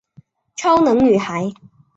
超能女孩。